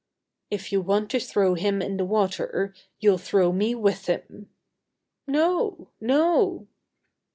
"If you want to throw him in the water, you'll throw me with him!" "No! No!"